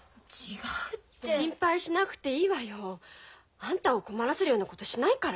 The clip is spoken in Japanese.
あんたを困らせるようなことしないから。